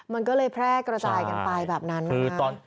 มันก็เลยแพร่กระจายกันไปแบบนั้น